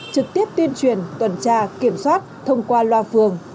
trực tiếp tuyên truyền tuần tra kiểm soát thông qua loa phường